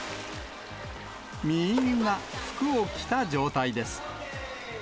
みーんな、服を着た状態です。